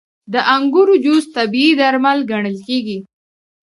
• د انګورو جوس طبیعي درمل ګڼل کېږي.